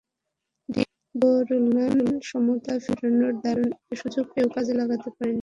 Diego Rolan সমতা ফেরানোর দারুণ একটা সুযোগ পেয়েও কাজে লাগাতে পারেননি।